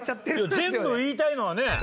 全部言いたいのはね。